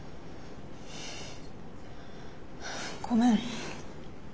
ごめん。